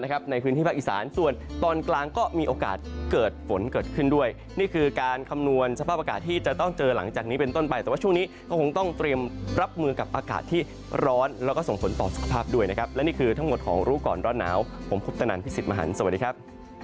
ก่อนรอดหนาวผมพุทธนันที่ศิษย์มหันธ์สวัสดีครับ